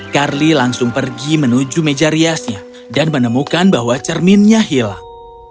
carly langsung pergi menuju meja riasnya dan menemukan bahwa cerminnya hilang